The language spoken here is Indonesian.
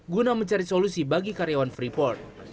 guna mencari solusi bagi karyawan freeport